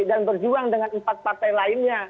dan berjuang dengan empat partai lainnya